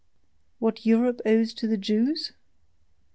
What Europe owes to the Jews?